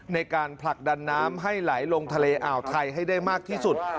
ในการผลักดันน้ำให้ไหลลงทะเลอ่าวไทยให้ได้มากที่สุด